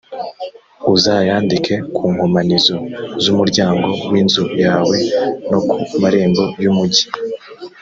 uzayandike ku nkomanizo z umuryango w inzu yawe no ku marembo y umugi.